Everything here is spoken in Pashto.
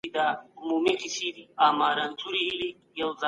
زکات د اسلام له پنځو بناوو څخه ده.